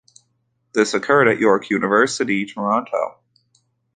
This occurred at York University, Toronto.